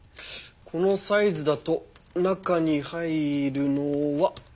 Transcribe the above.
このサイズだと中に入るのは。